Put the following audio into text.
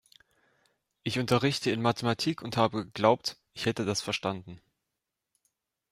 Ich unterrichte in Mathematik und habe geglaubt, ich hätte das verstanden.